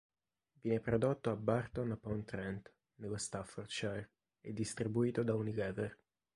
Viene prodotto a Burton upon Trent, nello Staffordshire e distribuito da Unilever.